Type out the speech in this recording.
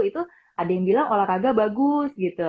itu ada yang bilang olahraga bagus gitu